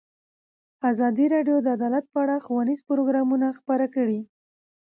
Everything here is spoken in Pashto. ازادي راډیو د عدالت په اړه ښوونیز پروګرامونه خپاره کړي.